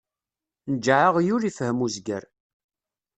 Nǧeɛ aɣyul, ifhem uzger.